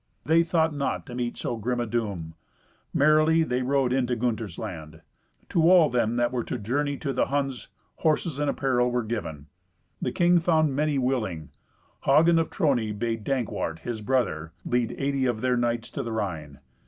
They thought not to meet so grim a doom. Merrily they rode into Gunter's land. To all them that were to journey to the Huns horses and apparel were given. The king found many willing. Hagen of Trony bade Dankwart, his brother, lead eighty of their knights to the Rhine.